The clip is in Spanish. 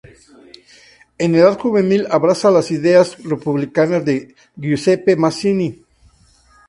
En edad juvenil abraza los ideales republicanos de Giuseppe Mazzini.